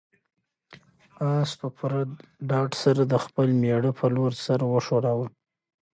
آس په پوره ډاډ سره د خپل مېړه په لور سر وښوراوه.